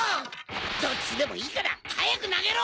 どっちでもいいからはやくなげろ！